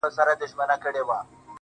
گراني په تا باندي چا كوډي كړي,